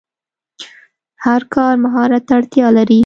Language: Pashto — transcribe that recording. هر کار مهارت ته اړتیا لري.